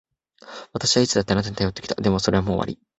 私はいつだってあなたに頼ってきた。でも、それももう終わり。